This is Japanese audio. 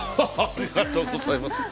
ありがとうございます。